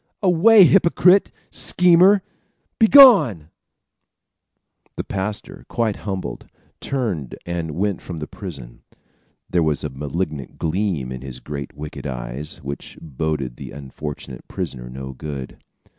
Away, hypocrite! Schemer, begone!" The pastor, quite humbled, turned and went from the prison. There was a malignant gleam in his great wicked eyes, which boded the unfortunate prisoner no good.